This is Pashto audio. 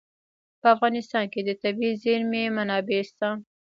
په افغانستان کې د طبیعي زیرمې منابع شته.